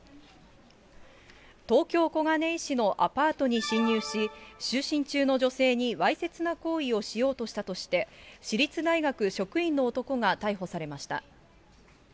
東京・小金井市のアパートに侵入し、就寝中の女性にわいせつな行為をしようとしたとして、私立大学職員の男が逮捕されました。